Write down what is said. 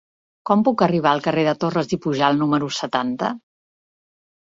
Com puc arribar al carrer de Torras i Pujalt número setanta?